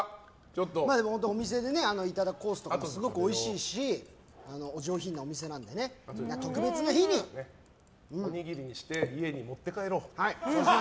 本当にお店でいただくコースとかもおいしいしお上品なお店なので特別な日にね。おにぎりにして家に持って帰ろう。